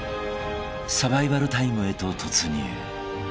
［サバイバルタイムへと突入］